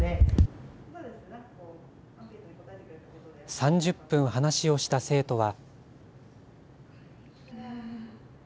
３０分話しをした生徒は。